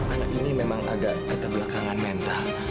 anak ini memang ada keterbelakangan mental